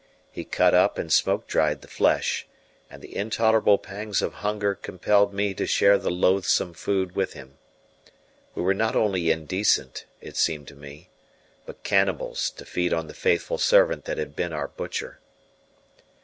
He cut up and smoke dried the flesh, and the intolerable pangs of hunger compelled me to share the loathsome food with him. We were not only indecent, it seemed to me, but cannibals to feed on the faithful servant that had been our butcher.